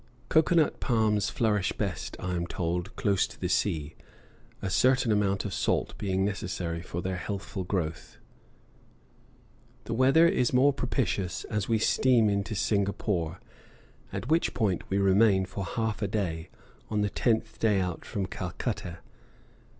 Cocoa nut palms flourish best, I am told, close to the sea, a certain amount of salt being necessary for their healthful growth. The weather is more propitious as we steam into Singapore, at which point we remain for half a day, on the tenth day out from Calcutta.